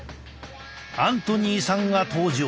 アントニーさんが登場。